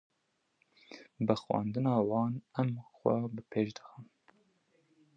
Bi xwendina wan, em xwe bi pêş dixin.